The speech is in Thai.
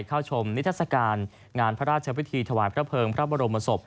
เข้าชมนิทราศกาลงานพระราชชาวพิธีธวานเกล้าเพิงพระบรมทรศพ